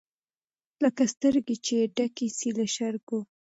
لکه سترګي چي یې ډکي سي له ژرګو